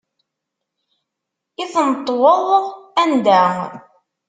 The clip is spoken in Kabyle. I tneṭweḍ anda?